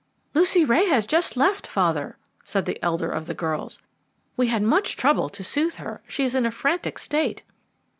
"Lucy Ray has just left, father," said the elder of the girls. "We had much trouble to soothe her; she is in a frantic state."